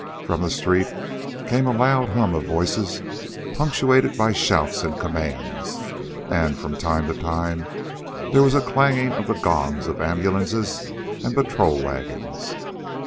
From the street came a loud hum of voices, punctuated by shouts and commands, and from time to time there was a clanging of the gongs of ambulances and patrol wagons.